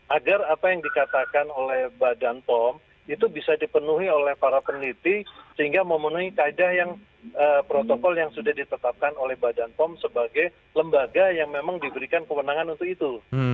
agar apa yang dikatakan oleh badan pom itu bisa dipenuhi oleh para peneliti sehingga memenuhi kaedah yang protokol yang sudah ditetapkan oleh badan pom sebagai lembaga yang memang diberikan kewenangan untuk itu